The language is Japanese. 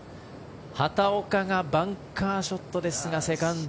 畑岡がバンカーショットですがセカンド。